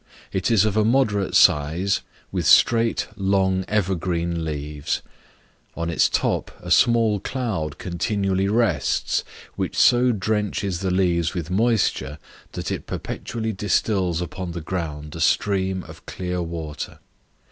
It is of a moderate size, with straight, long, evergreen leaves; on its top a small cloud continually rests, which so drenches the leaves with moisture, that it perpetually distils upon the ground a stream of clear water.